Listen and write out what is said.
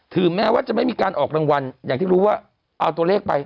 แม้ว่าจะไม่มีการออกรางวัลอย่างที่รู้ว่าเอาตัวเลขไป